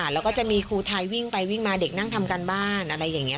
แล้วก็จะมีครูไทยวิ่งไปวิ่งมาเด็กนั่งทำการบ้านอะไรอย่างนี้